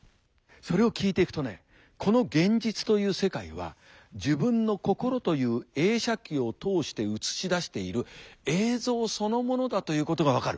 それを聞いていくとねこの現実という世界は自分の心という映写機を通して映し出している映像そのものだということが分かる。